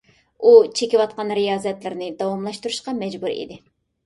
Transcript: ئۇ چېكىۋاتقان رىيازەتلىرىنى داۋاملاشتۇرۇشقا مەجبۇر ئىدى.